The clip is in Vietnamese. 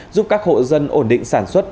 giúp các hộ dân ổn định sản xuất